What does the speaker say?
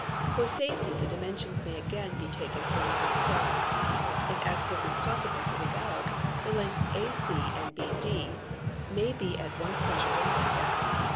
For safety the dimensions may again be taken from outside. If access is possible from without, the lengths, ac and bd, may be at once measured and set down.